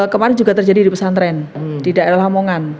kemarin juga terjadi di pesantren di daerah lamongan